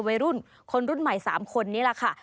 วัยรุ่นคนรุ่นใหม่๓คนนี้แหละค่ะ